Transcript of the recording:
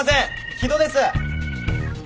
木戸です！